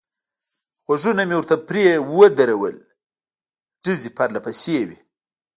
غوږونه مې ورته پرې ودرول، ډزې پرله پسې وې.